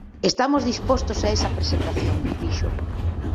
Estamos dispostos a esa presentación, dixo.